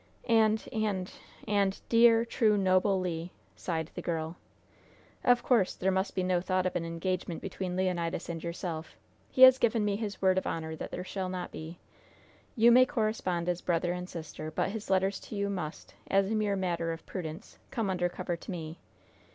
"And and and dear, true, noble Le!" sighed the girl. "Of course, there must be no thought of an engagement between Leonidas and yourself. He has given me his word of honor that there shall not be. You may correspond as brother and sister; but his letters to you must, as a mere matter of prudence, come under cover to me.